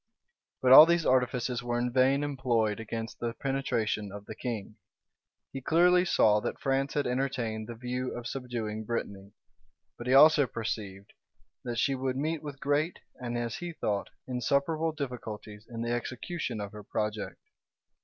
But all these artifices were in vain employed against the penetration of the king. He clearly saw that France had entertained the view of subduing Brittany; but he also perceived, that she would meet with great, and, as he thought, insuperable difficulties in the execution of her project.